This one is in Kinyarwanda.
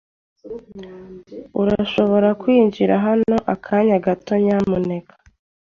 Urashobora kwinjira hano akanya gato, nyamuneka?